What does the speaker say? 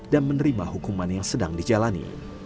dan menerima hukuman yang sedang dijalani